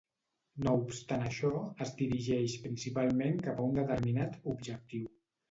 No obstant això, es dirigeix principalment cap a un determinat, objectiu.